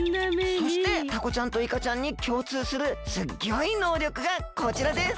そしてタコちゃんとイカちゃんにきょうつうするすっギョいのうりょくがこちらです！